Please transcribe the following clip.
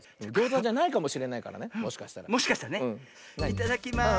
いただきます。